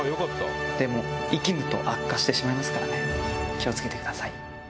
気を付けてください。